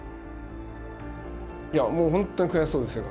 いやもう本当に悔しそうでしたよ。